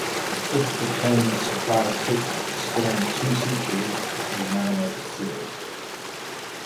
It became a "surprise hit," spawned two sequels and an animated series.